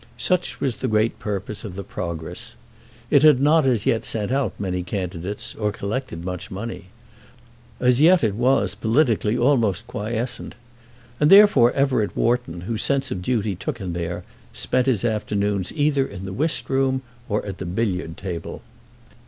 Such was the great purpose of the Progress. It had not as yet sent out many candidates or collected much money. As yet it was, politically, almost quiescent. And therefore Everett Wharton, whose sense of duty took him there, spent his afternoons either in the whist room or at the billiard table.